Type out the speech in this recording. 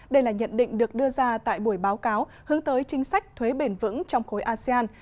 đây là nhận định được đưa ra tại buổi báo cáo hướng tới chính sách thuế bền vững trong khối asean